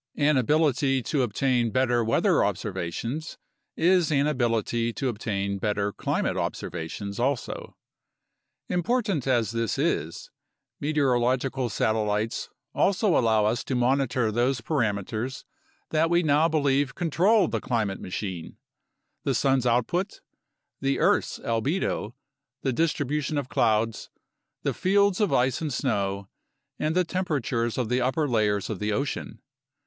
An ability to obtain better weather observations is an ability to obtain better climate observations also. Important as this is, meteorological satellites also allow us to monitor those parameters that we now believe control the climate machine: the sun's output, the earth's albedo, the distribution of clouds, the fields of ice and snow, and the temperatures of the upper layers of the ocean.